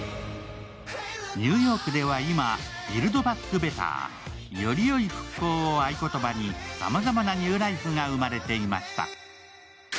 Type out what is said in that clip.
ニューヨークでは今、ビルドバックベター、より良い復興を合言葉にさまざまなニューライフが生まれていました。